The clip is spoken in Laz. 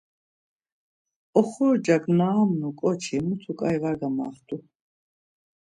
Oxorcak na amnu ǩoçi mutu ǩai var gamaxtu.